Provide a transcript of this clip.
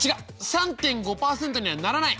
３．５％にはならない。